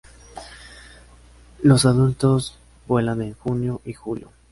Los adultos vuelan en junio y julio.